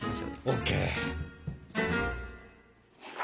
ＯＫ。